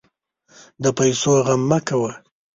د پیسو غم مه کوه.